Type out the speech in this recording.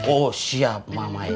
oh siap mama ya